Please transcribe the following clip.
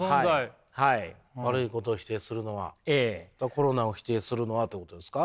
コロナを否定するのはってことですか？